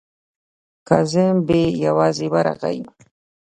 کازم بې یوازې ورغی.